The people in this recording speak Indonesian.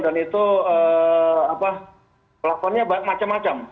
dan itu platformnya macam macam